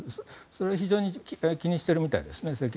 それを非常に政権側が気にしているみたいですね。